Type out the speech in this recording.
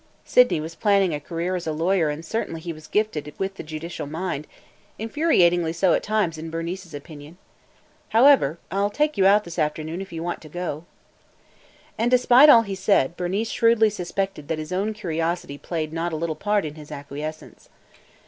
Sydney was planning a career as a lawyer and certainly he was gifted with the judicial mind – infuriatingly so at times, in Bernice's opinion. "However, I 'll take you out this afternoon if you want to go." And, despite all he said, Bernice shrewdly suspected that his own curiosity played not a little part in his acquiescence.